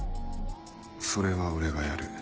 それは俺がやる。